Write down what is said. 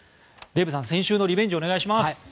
デーブさん、先週のリベンジをお願いします。